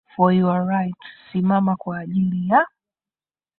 for your right simama kwa ajili ya